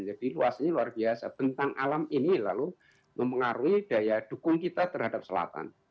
jadi luasnya luar biasa bentang alam ini lalu mempengaruhi daya dukung kita terhadap selatan